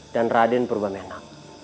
dan raden purbamenak